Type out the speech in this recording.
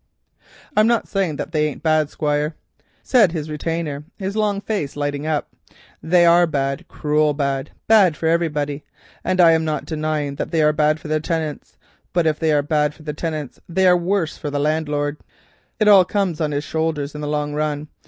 "I'm not a saying that they ain't bad, Squire," said his retainer, his long face lighting up; "they are bad, cruel bad, bad for iverybody. And I'm not denying that they is bad for the tinants, but if they is bad for the tinants they is wus for the landlord. It all comes on his shoulders in the long run.